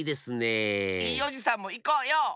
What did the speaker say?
いいおじさんもいこうよ！